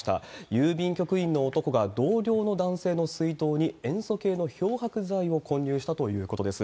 郵便局員の男が同僚の男性の水筒に塩素系の漂白剤を混入したということです。